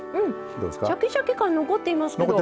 シャキシャキ感残っていますけど。